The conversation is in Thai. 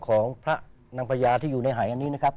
ของพระนางพญาที่อยู่ในหายอันนี้นะครับ